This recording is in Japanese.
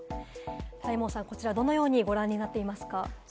大門さん、こちらはどのようにご覧なっていますか？